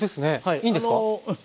いいんですか？